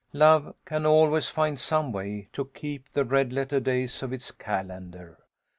Love can always find some way to keep the red letter days of its calendar.